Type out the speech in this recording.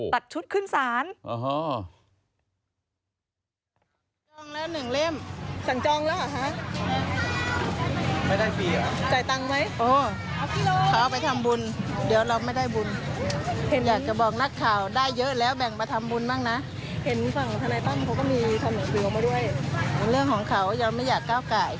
ตัดชุดขึ้นศาล